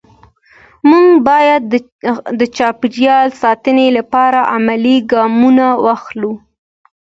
موږ باید د چاپېریال ساتنې لپاره عملي ګامونه واخلو